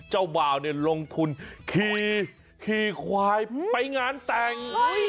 เจ้าบ่าวเนี่ยลงทุนขี่ควายไปงานแต่ง